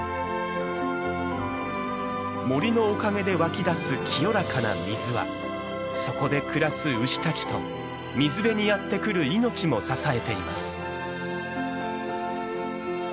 森のおかげで湧き出す清らかな水はそこで暮らす牛たちと水辺にやって来る命も支えています。